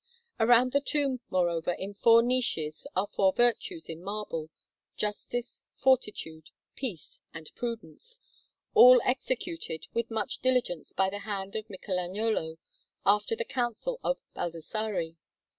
Around the tomb, moreover, in four niches, are four Virtues in marble, Justice, Fortitude, Peace, and Prudence, all executed with much diligence by the hand of Michelagnolo after the counsel of Baldassarre.